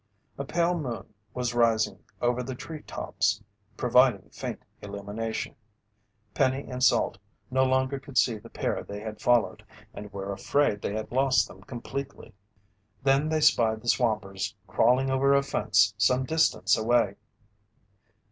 A pale moon was rising over the treetops, providing faint illumination. Penny and Salt no longer could see the pair they had followed, and were afraid they had lost them completely. Then they spied the swampers crawling over a fence some distance away.